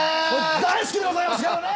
大好きでございますからね。